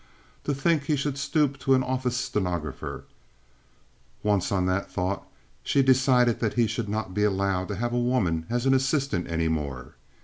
To think he should stoop to an office stenographer! Once on that thought, she decided that he should not be allowed to have a woman as an assistant any more.